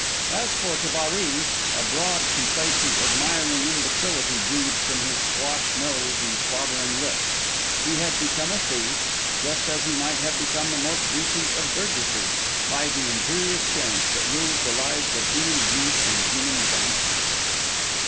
As for Tabary, a broad, complacent, admiring imbecility breathed from his squash nose and slobbering lips: he had become a thief, just as he might have become the most decent of burgesses, by the imperious chance that rules the lives of human geese and human donkeys.